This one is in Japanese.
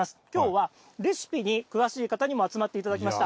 きょうはレシピに詳しい方にも集まっていただきました。